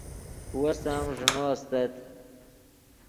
وس ام ݱینو استت